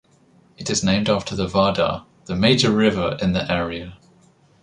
It is named after the Vardar, the major river in the area.